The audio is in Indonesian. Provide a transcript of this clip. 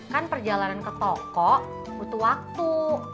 kan perjalanan ke toko butuh waktu